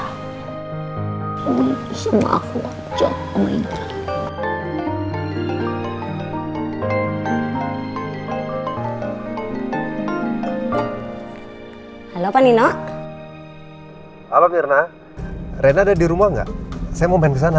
halo halo panino halo firna ren ada di rumah enggak saya mau main sana